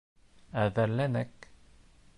— Әҙерләнек.